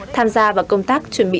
tham gia vào công tác chuẩn bị